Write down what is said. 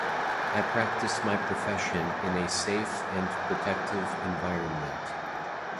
I practice my profession in a safe and protective environment.